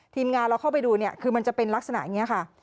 ทีมงานเราเข้าไปดูเนี่ยคือมันจะเป็นลักษณะอย่างนี้ค่ะ